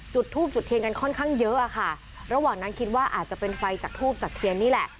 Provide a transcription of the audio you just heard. จุดทูบจุดเทียนกันค่อนข้างเยอะอะค่ะระหว่างนั้นคิดว่าอาจจะเป็นไฟจากทูบจากเทียนนี่แหละ